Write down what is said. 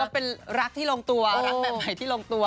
เป็นรักที่ลงตัวรักแบบใหม่ที่ลงตัว